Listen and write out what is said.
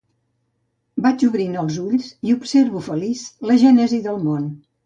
Vaig obrint els ulls i observo feliç la gènesi del món.